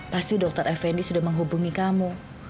pasti dokter effendi sudah menghubungi kamu